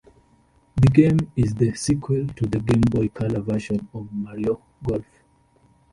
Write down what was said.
The game is the sequel to the Game Boy Color version of "Mario Golf".